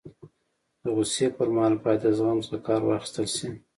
د غوصي پر مهال باید د زغم څخه کار واخستل سي.